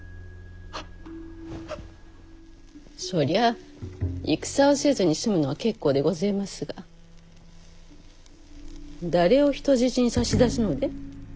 そりゃあ戦をせずに済むのは結構でごぜえますが誰を人質に差し出すので？